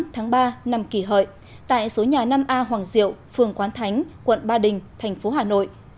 tháng ba năm kỳ hợi tại số nhà năm a hoàng diệu phường quán thánh quận ba đình thành phố hà nội